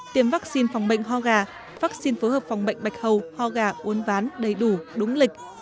tiêm vaccine phòng bệnh ho gà vaccine phối hợp phòng bệnh bạch hầu ho gà uốn ván đầy đủ đúng lịch